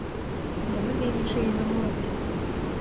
Яно дзейнічае і на моладзь.